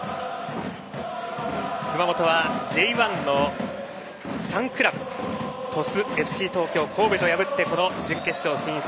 熊本はＪ１の３クラブ鳥栖、ＦＣ東京、神戸と破って準決勝進出。